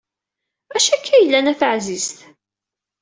Acu akka yellan, a taɛzizt?